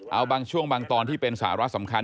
เอาบางช่วงบางตอนที่เป็นสาระสำคัญ